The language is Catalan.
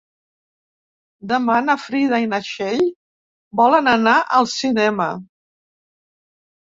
Demà na Frida i na Txell volen anar al cinema.